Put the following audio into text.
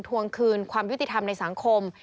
ทวงคืนความยุติธรรมในสังคม